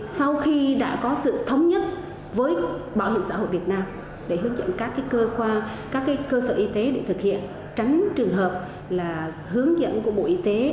sau khi đã có sự thống nhất với bảo hiểm xã hội việt nam để hướng dẫn các cơ sở y tế để thực hiện tránh trường hợp là hướng dẫn của bộ y tế